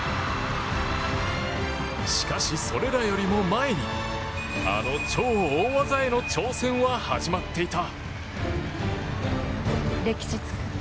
しかし、それらよりも前にあの超大技への挑戦は始まっていた。